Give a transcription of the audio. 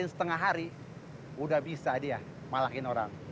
tunggu sepengah hari udah bisa dia malakin orang